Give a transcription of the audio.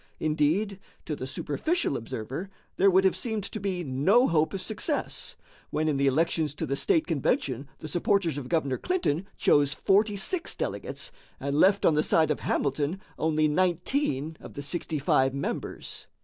Indeed, to the superficial observer there would have seemed to be no hope of success, when in the elections to the state convention the supporters of Governor Clinton chose forty six delegates and left on the side of Hamilton only nineteen of the sixty five members.